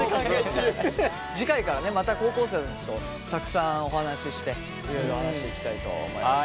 次回からねまた高校生たちとたくさんお話ししていろいろ話していきたいと思います。